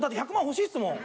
欲しいっすもん。